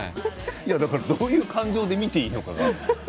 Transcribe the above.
どういう感情で見ていいのか。